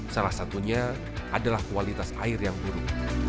salah satunya adalah kualitas air yang buruk